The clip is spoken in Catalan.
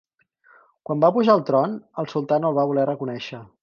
Quan va pujar al tron el sultà no el va voler reconèixer.